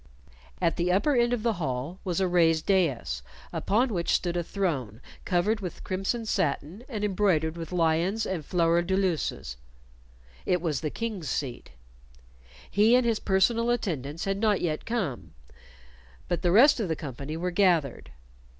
At the upper end of the hall was a raised dais, upon which stood a throne covered with crimson satin and embroidered with lions and flower deluces; it was the King's seat. He and his personal attendants had not yet come, but the rest of the company were gathered.